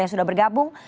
yang sudah bergabung